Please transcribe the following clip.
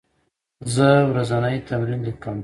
زه ورځنی تمرین لیکم.